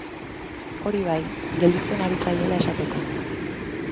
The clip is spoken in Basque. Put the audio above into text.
Hori bai, gelditzen ari zaiela esateko.